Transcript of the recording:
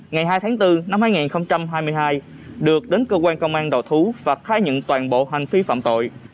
ngày hai tháng bốn năm hai nghìn hai mươi hai được đến cơ quan công an đòi thú và thái nhận toàn bộ hành phi phạm tội